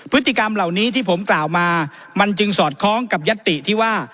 พฤติกรรมเหล่านี้ที่ผมกล่าวมามันจึงสอดคล้องกับยัตติที่ว่า